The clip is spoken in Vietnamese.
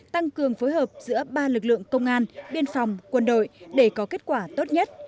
tăng cường phối hợp giữa ba lực lượng công an biên phòng quân đội để có kết quả tốt nhất